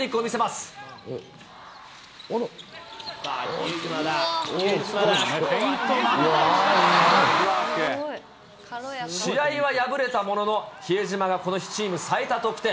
さあ、比江島が、試合は敗れたものの、比江島がこの日、チーム最多得点。